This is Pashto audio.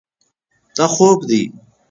دا خوب ده.